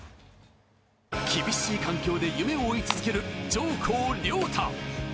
厳しい環境で夢を追い続ける上甲凌大。